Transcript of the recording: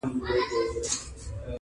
پلار یې تېر تر هدیرې سو تر قبرونو-